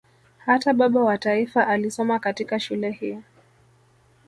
Hata baba wa taifa alisoma katika shule hii